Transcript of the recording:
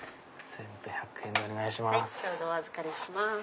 １１００円でお願いします。